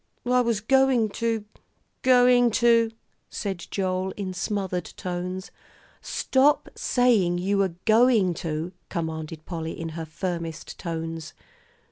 "I was going to going to " said Joel, in smothered tones. "Stop saying you were going to," commanded Polly, in her firmest tones.